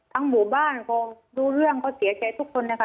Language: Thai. ทั้งหมู่บ้านเขารู้เรื่องเขาเสียใจทุกคนนะคะ